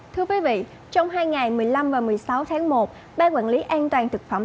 thưa quý vị trong hai ngày một mươi năm và một mươi sáu tháng một ban quản lý an toàn thực phẩm